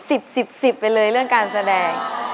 สิบสิบไปเลยเรื่องการแสดง